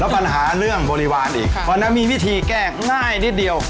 ปัญหาเรื่องบริวารอีกเพราะฉะนั้นมีวิธีแก้ง่ายนิดเดียว